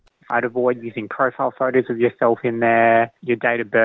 saya akan menghindari menggunakan foto profil anda di sana